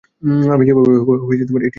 আমি যেভাবেই হোক এটি নির্মাণ করব।